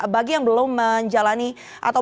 bagi yang belum menjalani atau